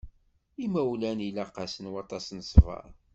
Imawlan ilaq-asen waṭas n ṣṣber.